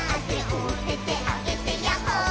「おててあげてヤッホー」